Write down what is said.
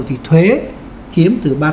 thì thuế kiếm từ ba mươi tám